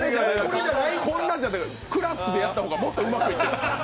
こんなんじゃクラスでやった方がもっともうまくいく。